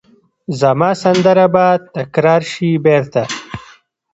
زما سندره به تکرار شي بیرته